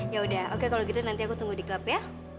ya udah oke kalau gitu nanti aku tunggu di klub ya